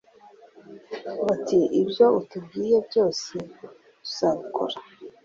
bati ibyo utubwiye byose, tuzabikora